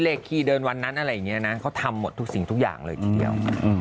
เลขที่เดินวันนั้นอะไรอย่างนี้นะเขาทำหมดทุกสิ่งทุกอย่างเลยทีเดียว